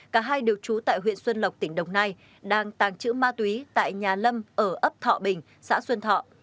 cả hai đều trú tại huyện xuân lộc tỉnh đồng nai đang tàng trữ ma túy tại nhà lâm ở ấp thọ bình xã xuân thọ